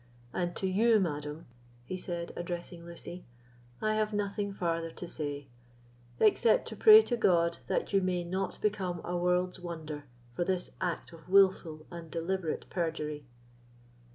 And to you, madam," he said, addressing Lucy, "I have nothing farther to say, except to pray to God that you may not become a world's wonder for this act of wilful and deliberate perjury."